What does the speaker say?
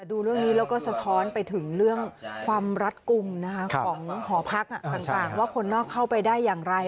ดูเรื่องนี้แล้วก็สะท้อนไปถึงเรื่องความรัดกลุ่มของหอพักต่างว่าคนนอกเข้าไปได้อย่างไร